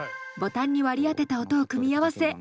ボタンに割り当てた音を組み合わせ